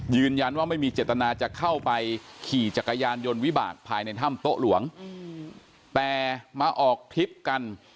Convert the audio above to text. ยืนยันว่าไม่มีเจตนาจะเข้าไปขี่จักรยานยนต์วิบากภายในถ้ำโต๊ะหลวงแต่มาออกทริปกัน